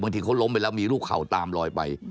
ที่เขาล้มไปแล้วมีลูกเข่าตามลอยไป